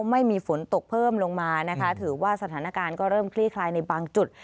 ไม่มีฝนตกเพิ่มลงมานะคะถือว่าสถานการณ์ก็เริ่มคลี่คลายในบางจุด